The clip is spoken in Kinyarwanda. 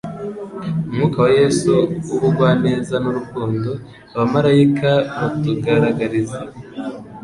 umwuka wa Yesu w'ubugwaneza n'urukundo abamaraika batugaragariza.